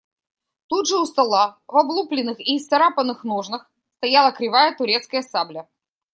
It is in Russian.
Тут же у стола в облупленных и исцарапанных ножнах стояла кривая турецкая сабля.